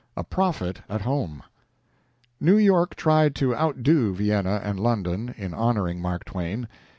A PROPHET AT HOME New York tried to outdo Vienna and London in honoring Mark Twain.